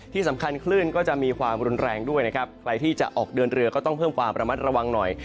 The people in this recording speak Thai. ที่สำคัญคลื่นก็จะมีความรุนแรงด้วยนะครับใครที่จะออกเดินเรือก็ต้องเพิ่มความระมัดระวังหน่อย